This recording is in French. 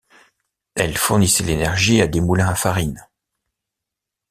Elles fournissaient l'énergie à des moulins à farine.